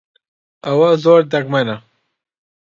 ئەوە زۆر دەگمەنە.